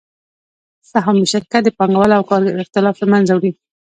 سهامي شرکت د پانګوال او کارګر اختلاف له منځه وړي